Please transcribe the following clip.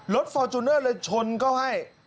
รถเฟอร์ชูเนอร์เลยชนก็ให้